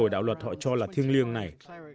hồi đạo luật họ cho là thiêng liêng này